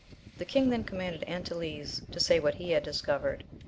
The king then com manded Anteles to say what he had discovered.